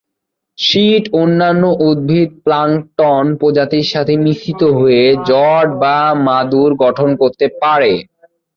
Sheet অন্যান্য উদ্ভিদ plankton প্রজাতির সাথে মিশ্রিত হয়ে জট বা মাদুর গঠন করতে পারে।